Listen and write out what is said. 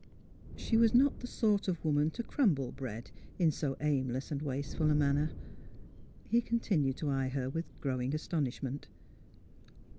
She was not the sort of woman to crumble bread in so aimless and wasteful a manner. He continued to eye her with growing astonishment.